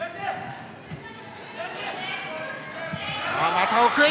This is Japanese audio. また奥襟。